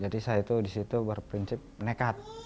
jadi saya itu disitu berprinsip nekat